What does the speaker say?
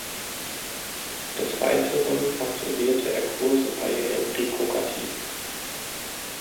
Des Weiteren absolvierte er Kurse bei Enrico Gatti.